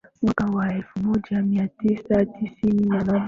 Mwaka wa elfu moja mia tisa tisini na nne